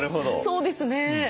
そうですね。